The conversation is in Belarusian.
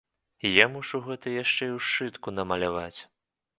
Я мушу гэта яшчэ і ў сшытку намаляваць.